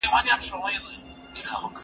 شخړې به کمې پاتې شي.